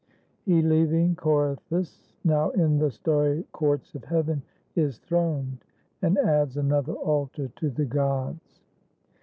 He, leaving Corythus, Now in the starry courts of heaven is throned, And adds another altar to the gods."